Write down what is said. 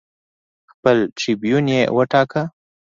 خپل ټربیون یې وټاکه